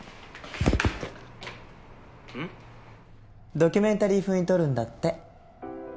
ドキュメンタリー風に撮るんだって。